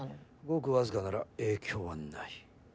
ごくわずかなら影響はない。